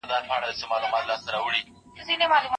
مثبت معلومات ستاسو فکر جوړوي.